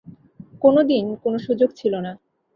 কোনদিন কোন সুযোগ ছিল না।